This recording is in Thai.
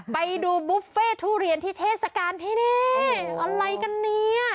ไปดูบุฟเฟ่ทุเรียนที่เทศกาลที่นี่อะไรกันเนี่ย